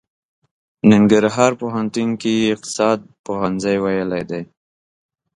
ننګرهار پوهنتون کې يې اقتصاد پوهنځی ويلی دی.